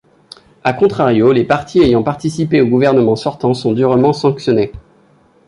A contrario, les partis ayant participé au gouvernement sortant sont durement sanctionnés.